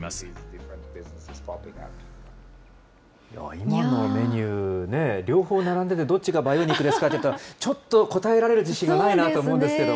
今のメニューね、両方並んでて、どっちが培養肉ですかって言ったら、ちょっと答えられる自信がないなと思うんですけれども。